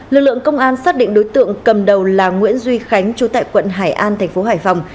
lực lượng công an xác định đối tượng cầm đầu là nguyễn duy khánh chú tại quận hải an thành phố hải phòng